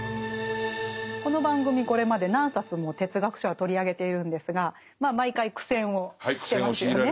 この番組これまで何冊も哲学書は取り上げているんですがまあ毎回苦戦をしてますよね。